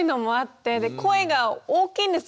で声が大きいんです。